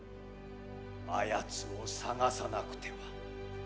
あやつを捜さなくては。